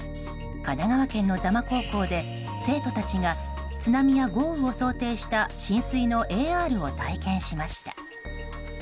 神奈川県の座間高校で生徒たちが津波や豪雨を想定した浸水のＡＲを体験しました。